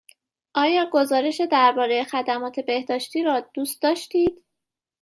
آیا گزارش درباره خدمات بهداشتی را دوست داشتید؟